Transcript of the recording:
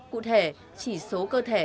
cụ thể chỉ số cơ thể